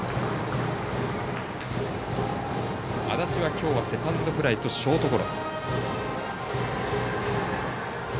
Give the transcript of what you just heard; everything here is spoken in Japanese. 安達はきょうはセカンドフライとショートゴロ。